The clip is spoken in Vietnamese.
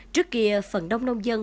trước kia phần đông nông dân